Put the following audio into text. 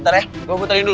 ntar ya gue putarin dulu